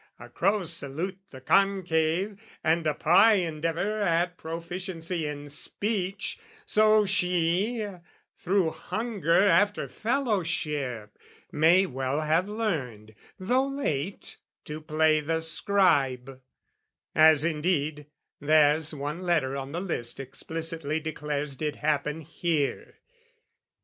A crow salute the concave, and a pie Endeavour at proficiency in speech, So she, through hunger after fellowship, May well have learned, though late, to play the scribe: As indeed, there's one letter on the list Explicitly declares did happen here.